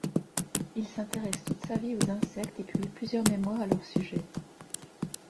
Il s'intéresse toute sa vie aux Insectes et publie plusieurs mémoires à leur sujet.